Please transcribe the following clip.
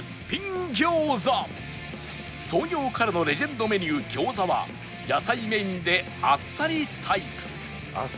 創業からのレジェンドメニュー餃子は野菜メインであっさりタイプ